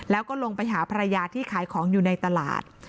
แล้วก็ลงไปหาภรรยาที่ขายของอยู่ในตลาด